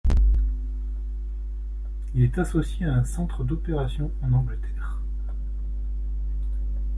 Il est associé à un centre d'opérations en Angleterre.